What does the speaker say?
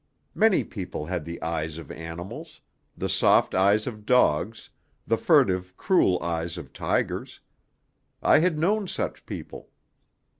Many people had the eyes of animals the soft eyes of dogs, the furtive, cruel eyes of tigers. I had known such people.